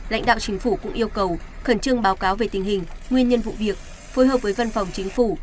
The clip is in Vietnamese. lãnh đạo chính phủ cũng yêu cầu khẩn trương báo cáo về tình hình nguyên nhân vụ việc phối hợp với văn phòng chính phủ